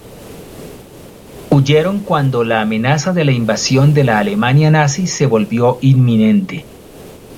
Huyeron cuando la amenaza de la invasión de la Alemania nazi se volvió inminente.